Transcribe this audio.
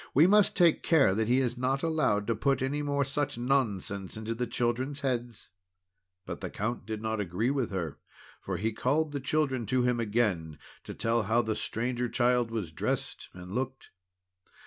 We must take care that he is not allowed to put any more such nonsense into the children's heads." But the Count could not agree with her, for he called the children to him again, to tell how the Stranger Child was dressed and looked.